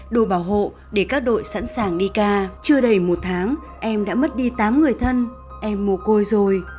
đủ bảo hộ để các đội sẵn sàng đi ca chưa đầy một tháng em đã mất đi tám người thân em mồ côi rồi